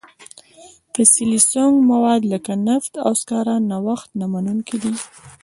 فسیلي سونګ مواد لکه نفت او سکاره نوښت نه منونکي دي.